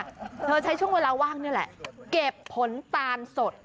เธอใช้ช่วงเวลาว่างนี่แหละเก็บผลตาลสด